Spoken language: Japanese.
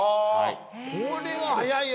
これは早いよ